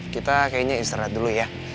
kita kayaknya istirahat dulu ya